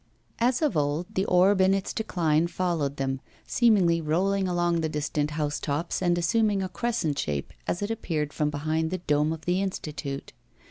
As of old, the orb in its decline followed them, seemingly rolling along the distant housetops, and assuming a crescent shape, as it appeared from behind the dome of the Institute.